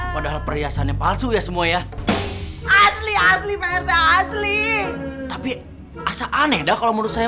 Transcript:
padahal perhiasannya palsu ya semua ya asli asli pak rt asli tapi asal aneh dah kalau menurut saya